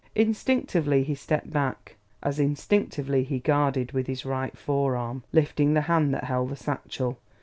Instinctively he stepped back; as instinctively he guarded with his right forearm, lifting the hand that held the satchel.